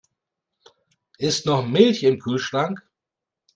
Ist noch Milch im Kühlschrank?